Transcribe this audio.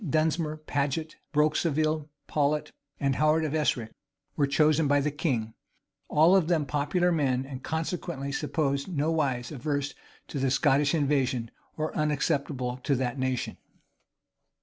Dunsmore, Paget, Broke Saville, Paulet, and Howard of Escric, were chosen by the king; all of them popular men and consequently supposed nowise averse to the Scottish invasion, or unacceptable to that nation.